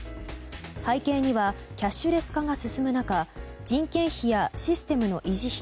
背景にはキャッシュレス化が進む中人件費やシステムの維持費